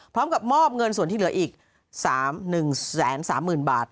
พร้อมกับมอบเงินส่วนที่เหลืออีก๓๑๓๐๐๐บาท